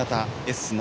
Ｓ７。